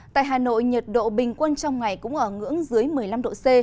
tại hà nội nhiệt độ bình quân trong ngày cũng ở ngưỡng dưới một mươi năm độ c